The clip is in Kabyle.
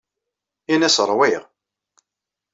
Ini-as ṛwiɣ.